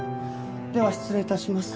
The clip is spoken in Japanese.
では失礼致します。